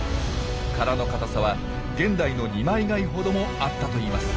殻の硬さは現代の二枚貝ほどもあったといいます。